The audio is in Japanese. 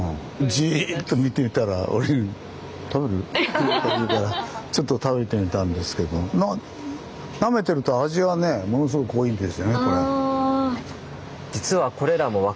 じっと見ていたら俺に「食べる？」って言うからちょっと食べてみたんですけどなめてると味はねものすごく濃いんですよねこれ。